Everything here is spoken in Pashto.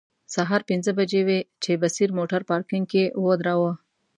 سهار پنځه بجې وې چې بصیر موټر پارکینګ کې و دراوه.